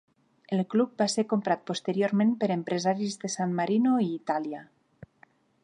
El club va ser comprat posteriorment per empresaris de San Marino i Itàlia.